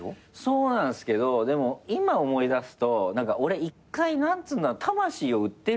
そうなんすけどでも今思い出すと俺１回何つうんだろうな魂を売ってるんすよ。